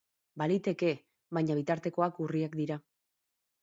Baliteke, baina bitartekoak urriak dira.